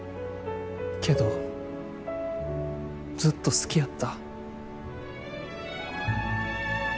けどずっと好きやった。